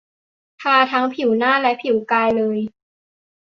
ทาทั้งผิวหน้าและผิวกายเลย